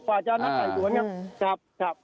กว่าจะนับหลายส่วนครับ